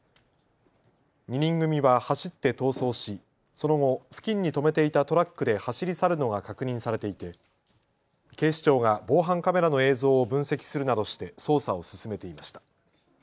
２人組は走って逃走しその後付近に止めていたトラックで走り去るのが確認されていて警視庁が防犯カメラの映像を分析するなどして捜査を進めていました。